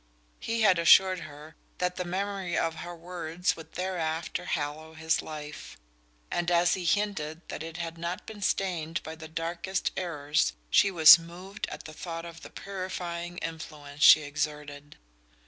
He had assured her that the memory of her words would thereafter hallow his life; and as he hinted that it had been stained by the darkest errors she was moved at the thought of the purifying influence she exerted.